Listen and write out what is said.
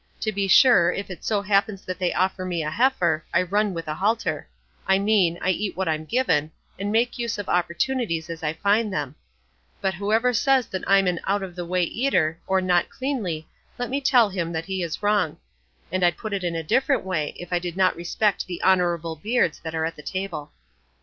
To be sure, if it so happens that they offer me a heifer, I run with a halter; I mean, I eat what I'm given, and make use of opportunities as I find them; but whoever says that I'm an out of the way eater or not cleanly, let me tell him that he is wrong; and I'd put it in a different way if I did not respect the honourable beards that are at the table."